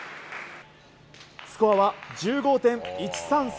スコアは１５．１３３。